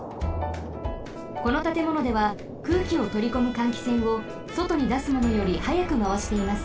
このたてものでは空気をとりこむ換気扇をそとにだすものよりはやくまわしています。